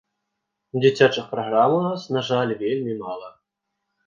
Дзіцячых праграм у нас, на жаль, вельмі мала.